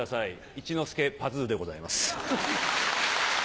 一之輔パズーでございます。